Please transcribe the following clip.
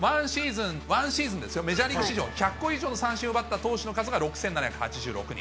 １シーズンですよ、メジャーリーグ史上１００個以上の三振を奪った投手の数が６７８６人。